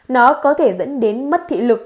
nó có thể dẫn đến mất thị lực